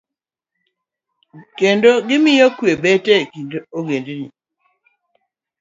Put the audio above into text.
Kendo, gimiyo kwe betie e kind ogendini.